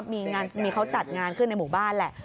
มีเขาจัดงานขึ้นในหมู่บ้านแหละ